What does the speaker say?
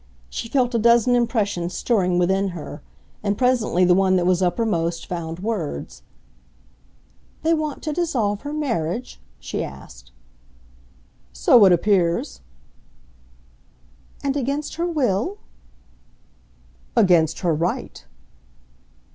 She felt a dozen impressions stirring within her, and presently the one that was uppermost found words. "They want to dissolve her marriage?" she asked. "So it appears." "And against her will?" "Against her right."